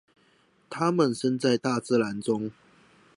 他們身在大自然中